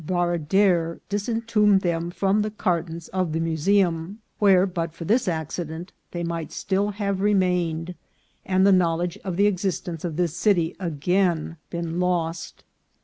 Baradere disentombed them from the cartons of the museum, where, but for this accident, they might still have re mained, and the knowledge of the existence of this city again been lost.